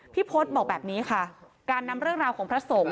พศบอกแบบนี้ค่ะการนำเรื่องราวของพระสงฆ์